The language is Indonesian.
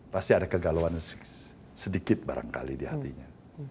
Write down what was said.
pasti ada kegalauan sedikit barangkali di hatinya